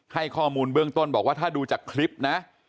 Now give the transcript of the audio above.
ให้ข้อมูลเบื้องต้นบอกว่าถ้าดูจากคลิปนะ